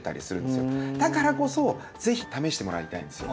だからこそぜひ試してもらいたいんですよ。